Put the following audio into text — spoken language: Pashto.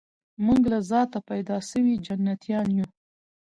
موږ له ذاته پیدا سوي جنتیان یو